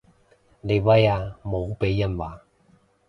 你威啊無被人話